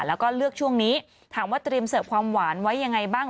แล้วก็เลือกช่วงนี้ถามว่าเตรียมเสิร์ฟความหวานไว้ยังไงบ้าง